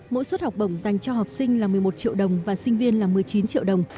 mỗi suất học bổng dành cho học sinh là một mươi một triệu đồng và sinh viên là một mươi chín triệu đồng